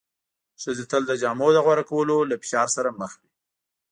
ښځې تل د جامو د غوره کولو له فشار سره مخ وې.